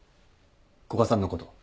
古賀さんのこと。